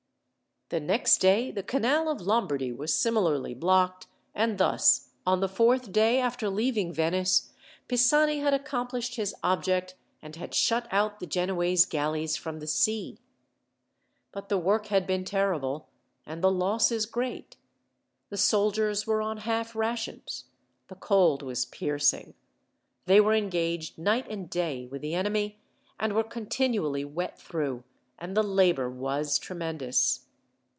The next day the Canal of Lombardy was similarly blocked; and thus, on the fourth day after leaving Venice, Pisani had accomplished his object, and had shut out the Genoese galleys from the sea. But the work had been terrible, and the losses great. The soldiers were on half rations. The cold was piercing. They were engaged night and day with the enemy, and were continually wet through, and the labour was tremendous.